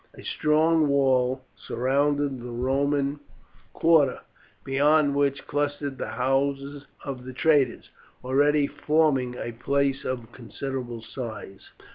A strong wall surrounded the Roman quarter, beyond which clustered the houses of the traders, already forming a place of considerable size.